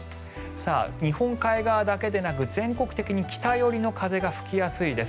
日本海側だけでなく全国的に北寄りの風が吹きやすいです。